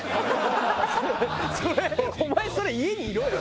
それお前それ家にいろよ！